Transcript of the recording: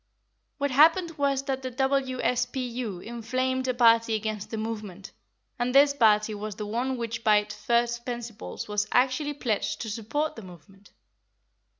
What happened was that the W.S.P.U. inflamed a party against the movement, and this party was the one which by its first principles was actually pledged to support the movement.